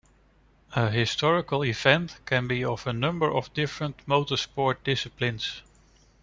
A historical event can be of a number of different motorsport disciplines.